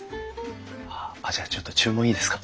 あっじゃあちょっと注文いいですか？